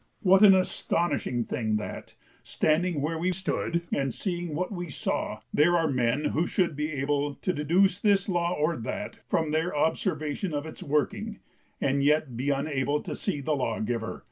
What an astonishing thing that, standing where we stood and seeing what we saw, there are men who should be able to deduce this law or that from their observation of its working and yet be unable to see the Lawgiver!